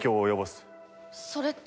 それって。